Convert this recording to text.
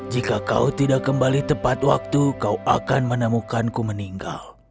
jika kau tidak kembali tepat waktu kau akan menemukanku meninggal